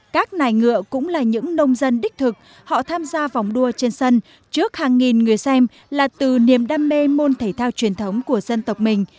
các nài ngựa cũng là những nông dân đích thực họ tham gia vòng đua trên sân trước hàng nghìn người xem là từ niềm đam mê môn thể thao truyền thống của dân tộc mình